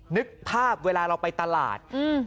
นึกภาพเวลาเราไปตลาด